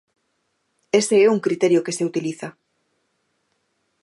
Ese é un criterio que se utiliza.